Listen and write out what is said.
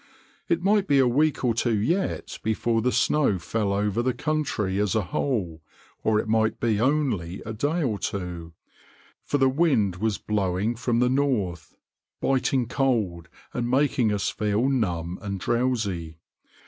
It might be a week or two yet before the snow fell over the country as a whole, or it might be only a day or two; for the wind was blowing from the north, biting cold, and making us feel numb and drowsy.